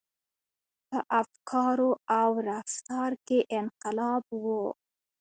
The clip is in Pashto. • په افکارو او رفتار کې انقلاب و.